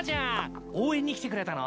応援に来てくれたの？